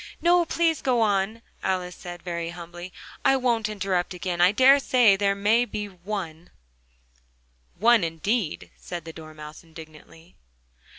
"No, please go on!" Alice said, very humbly, "I won't interrupt you again. I dare say there may be one." "One, indeed!" said the Dormouse, indignantly.